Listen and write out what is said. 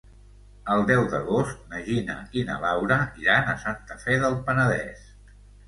El deu d'agost na Gina i na Laura iran a Santa Fe del Penedès.